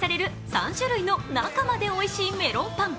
３種類の中までおいしいメロンパン。